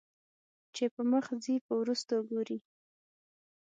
چې پۀ مخ ځې په وروستو ګورې